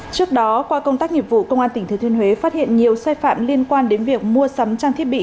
trước đó qua công tác nghiệp vụ công an tỉnh thừa thiên huế phát hiện nhiều sai phạm liên quan đến việc mua sắm trang thiết bị